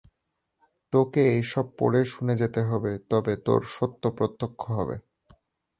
তোকে এসব পড়ে শুনে যেতে হবে, তবে তোর সত্য প্রত্যক্ষ হবে।